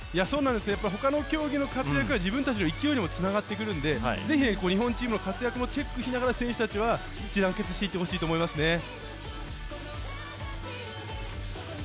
そうなんです、他の競技の活躍が自分たちの勢いにもつながってくるんでぜひ日本チームの活躍もチェックしながら選手たちは一致団結していってほしいと思いますね。